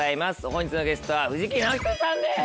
本日のゲストは藤木直人さんです！